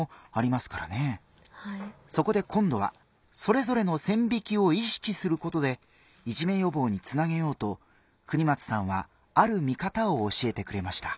そこで今度はそれぞれの線引きを意識することでいじめ予防につなげようと國松さんはある見方を教えてくれました。